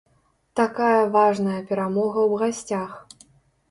Такая важная перамога ў гасцях.